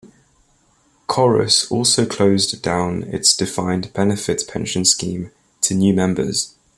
Corus also closed down its defined benefit pension scheme to new members.